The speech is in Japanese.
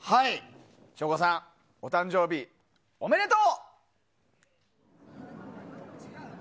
省吾さん、お誕生日おめでとう！